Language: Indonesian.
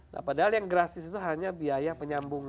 nah padahal yang gratis itu hanya biaya penyambungan